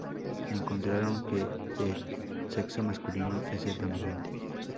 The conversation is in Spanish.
Encontraron que "el sexo masculino es el dominante".